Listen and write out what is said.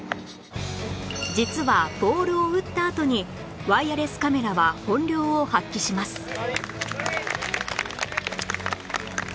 実はボールを打ったあとにワイヤレスカメラは本領を発揮します